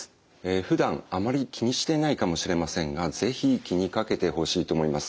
ふだんあまり気にしていないかもしれませんが是非気にかけてほしいと思います。